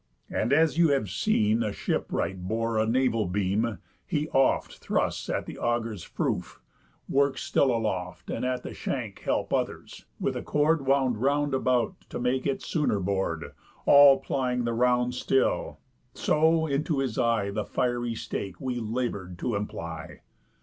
And as you have seen A ship wright bore a naval beam, he oft Thrusts at the auger's froofe, works still aloft, And at the shank help others, with a cord Wound round about to make it sooner bor'd, All plying the round still; so into his eye The fiery stake we labour'd to imply.